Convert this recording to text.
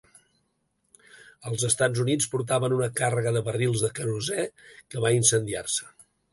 Els "Estats Units" portaven una càrrega de barrils de querosè que va incendiar-se.